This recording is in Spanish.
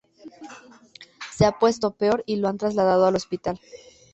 Se ha puesto peor y lo han trasladado al hospital.